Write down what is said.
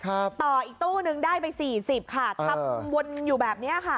ต่ออีกตู้นึงได้ไปสี่สิบค่ะทำวนอยู่แบบเนี้ยค่ะ